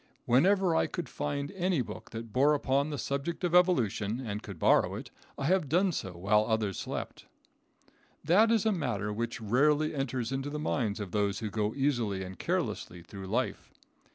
Whenever I could find any book that bore upon the subject of evolution, and could borrow it, I have done so while others slept. That is a matter which rarely enters into the minds of those who go easily and carelessly through life.